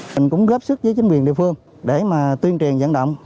mình cũng góp sức với chính quyền địa phương để mà tuyên truyền dẫn động